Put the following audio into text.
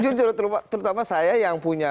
jujur terutama saya yang punya